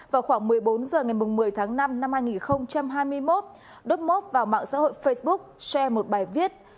vào khoảng một mươi bốn h ngày một mươi tháng năm năm hai nghìn hai mươi một đốc mốc vào mạng xã hội facebook share một bài viết